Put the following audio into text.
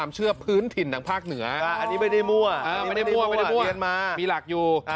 มีหลักอยู่